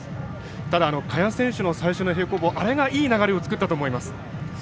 ただ、萱選手の最初の平行棒あれがいい流れを作ったと思います。